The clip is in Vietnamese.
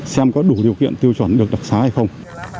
xem có đủ điều kiện tiêu chuẩn được đặc xá hay không